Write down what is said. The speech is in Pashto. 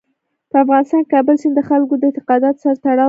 په افغانستان کې کابل سیند د خلکو له اعتقاداتو سره تړاو لري.